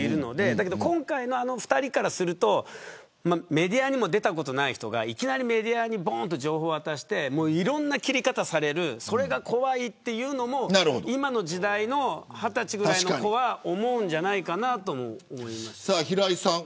だけど、今回の２人からするとメディアにも出たことない人がいきなりメディアに情報を渡していろんな切り方をされるそれが怖いというのも今の時代の２０歳ぐらいの子は思うんじゃないかなと思います。